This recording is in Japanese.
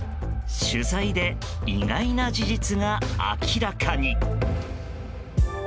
取材で意外な事実が明らかに。